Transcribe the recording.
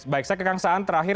baik saya ke kang saan terakhir